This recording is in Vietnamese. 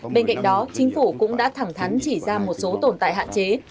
bên cạnh đó chính phủ cũng đã thẳng thắn chỉ ra một số tồn tại hạn chế